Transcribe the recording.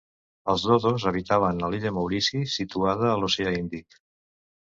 Els dodos habitaven a l'illa Maurici, situada a l'oceà Índic.